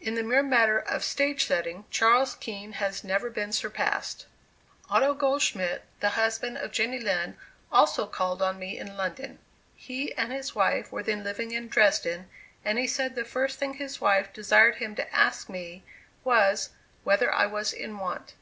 In the mere matter of stage setting, Charles Kean has never been surpassed. Otto Goldschmidt, the husband of Jenny Lind, also called on me in London. He and his wife were then living in Dresden, and he said the first thing his wife desired him to ask me was, whether I was in want.